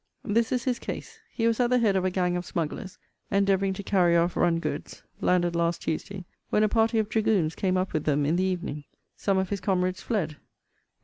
This is his case. He was at the head of a gang of smugglers, endeavouring to carry off run goods, landed last Tuesday, when a party of dragoons came up with them in the evening. Some of his comrades fled.